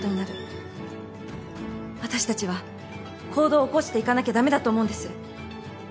私たちは行動を起こしていかなきゃ駄目だと思うんです。